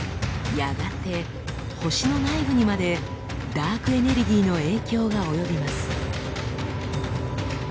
やがて星の内部にまでダークエネルギーの影響が及びます。